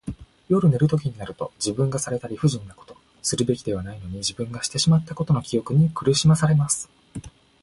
夜寝るときになると、自分がされた理不尽なこと、するべきではないのに自分がしてしまったことの記憶に苦しまされます。